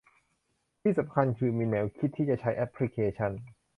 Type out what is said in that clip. ที่สำคัญคือมีแนวคิดที่จะใช้แอพลิเคชัน